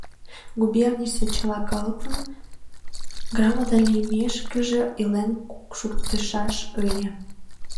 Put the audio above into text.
Губернийысе чыла калыкын грамотан лиймешкыже илен шуктышаш ыле.